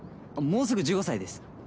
もうすぐ１５歳です。